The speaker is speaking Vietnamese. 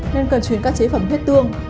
nên cần chuyển các chế phẩm huyết tương